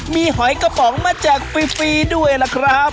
มีหอยกระป๋องมาแจกฟรีด้วยล่ะครับ